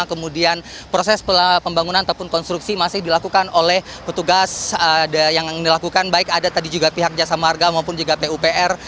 kemudian proses pembangunan ataupun konstruksi masih dilakukan oleh petugas yang dilakukan baik ada tadi juga pihak jasa marga maupun juga pupr